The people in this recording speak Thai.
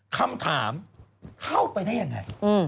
คำถามเข้าไปได้ยังไง